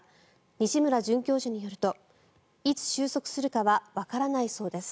西村准教授によるといつ収束するかはわからないそうです。